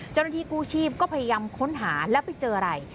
เจ้าหน้าที่กู้ชีพก็พยายามค้นหาแล้วไปเจออะไร